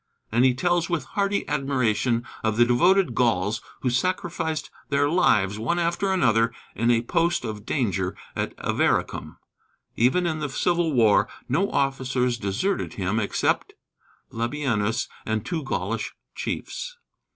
And he tells with hearty admiration of the devoted Gauls who sacrificed their lives one after another in a post of danger at Avaricum. Even in the Civil War no officers deserted him except Labienus and two Gaulish chiefs.